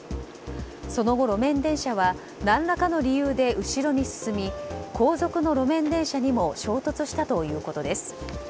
その後、路面電車は何らかの理由で後ろに進み後続の路面電車にも衝突したということです。